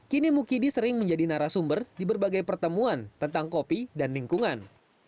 kini mukidi sering menjadi narasumber di berbagai pertemuan tentang kopi dan lingkungan